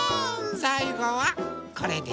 さいごはこれです。